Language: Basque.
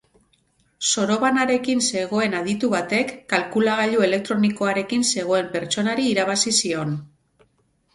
Sorobanarekin zegoen aditu batek kalkulagailu elektronikoarekin zegoen pertsonari irabazi zion.